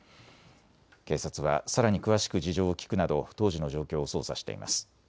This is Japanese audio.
警察はさらに詳しく事情を聞くなど当時の状況を捜査しています。